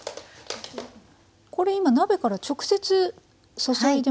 これ今鍋から直接注いで。